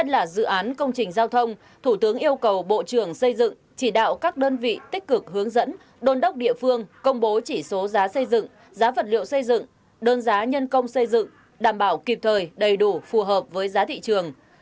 thủ tướng yêu cầu bộ trưởng xây dựng chỉ đạo các đơn vị tích cực hướng dẫn đôn đốc địa phương công bố chỉ số giá xây dựng giá vật liệu xây dựng đơn giá nhân công xây dựng đảm bảo kịp thời đầy đủ phù hợp với giá thị trường